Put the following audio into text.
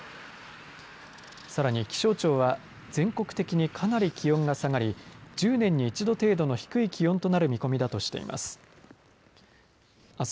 さらに気象庁は全国的にかなり気温が下がり１０年に一度程度の低い気温となる見込みだとしています。